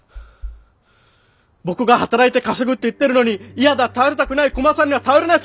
僕が働いて稼ぐって言ってるのに「嫌だ頼りたくないクマさんには頼れない」